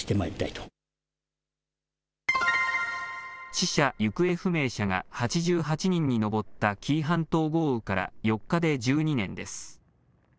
死者・行方不明者が８８人に上った紀伊半島豪雨から４日で１２年です。